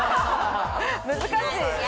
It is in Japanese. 難しい。